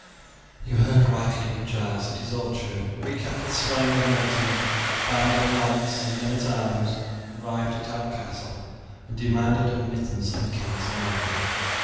"You heard rightly, good Giles, it is all true. A week after the slaying of Mortimer a band of knights and men at arms arrived at our castle and demanded admittance in the king's name.